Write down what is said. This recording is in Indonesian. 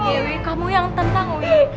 iwi kamu yang tentang wih